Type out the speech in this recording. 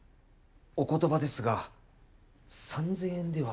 お言葉ですが３，０００円では。